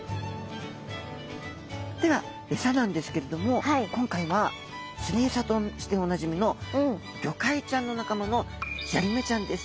ではエサなんですけれども今回は釣りエサとしておなじみのゴカイちゃんの仲間のジャリメちゃんです。